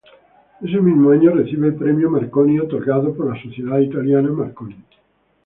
Ese mismo año recibe el Premio Marconi otorgado por la sociedad italiana Marconi.